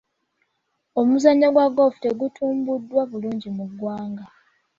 Omuzannyo gwa ggoofu tegutumbuddwa bulungi mu Uganda.